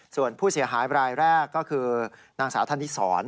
ส่วนผู้เสียหายบรายแรกก็คือนางสาวธนิสร